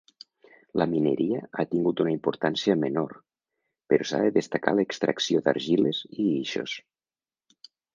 La mineria ha tingut una importància menor però s'ha de destacar l'extracció d'argiles i guixos.